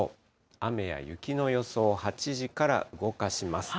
雨や雪の予想、８時から動かします。